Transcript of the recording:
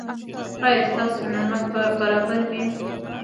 ایا ستاسو نمک به برابر وي؟